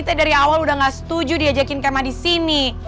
tunggu ampun ampun